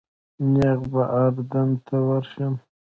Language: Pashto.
نیغ به اردن ته ورشم.